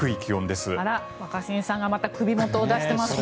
あら、若新さんがまた首元を出していますね。